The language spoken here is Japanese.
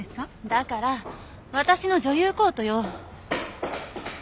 だから私の女優コートよ。